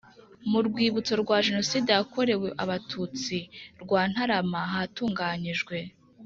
Mu rwibutso rwa Jenoside yakorewe Abatutsi rwa Ntarama hatunganyijwe